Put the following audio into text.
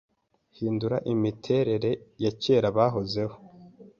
guhindura imiterere ya kerabahozeho